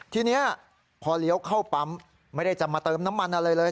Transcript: ทีนี้พอเลี้ยวเข้าปั๊มไม่ได้จะมาเติมน้ำมันอะไรเลย